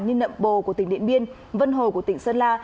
như nậm bồ của tỉnh điện biên vân hồ của tỉnh sơn la